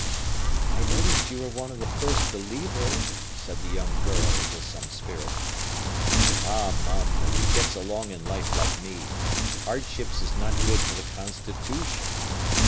"I noticed you were one of the first to leave her," said the young girl, with some spirit. "Ah, mum, when you gets along in life like me, hardships is not good for the constitootion.